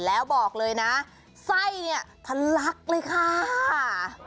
แล้วบอกเลยนะไส้เนี่ยทะลักเลยค่ะ